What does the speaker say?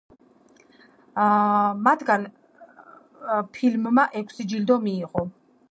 მათაგნ ფილმმა ექვსი ჯილდო მიიღო.